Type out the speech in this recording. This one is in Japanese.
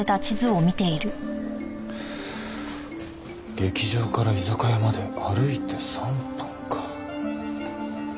劇場から居酒屋まで歩いて３分か。